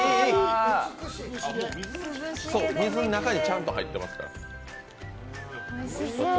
水の中にちゃんと入ってますから。